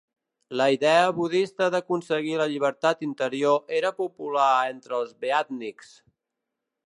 La idea budista d'aconseguir la llibertat interior era popular entre els beatniks.